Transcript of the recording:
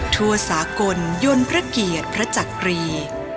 ทั่วสากลยนต์พระเกียรติพระจักรี